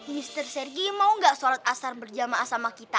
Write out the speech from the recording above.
mr sergi mau gak sholat asar berjamaah sama kita